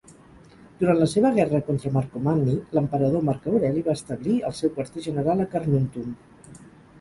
Durant la seva guerra contra Marcomanni, l"emperador Marc Aureli va establir el seu quarter general a Carnuntum.